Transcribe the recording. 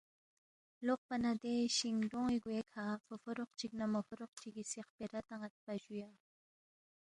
لوقپا نہ دے شِنگ ڈُون٘ی گوے کھہ فو فوروق چِک نہ مو فوروق چگی سی خپیرا تان٘یدپا جُویا